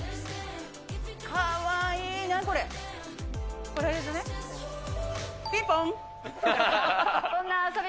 かわいいね、これ。